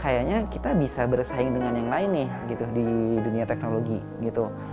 kayaknya kita bisa bersaing dengan yang lain nih gitu di dunia teknologi gitu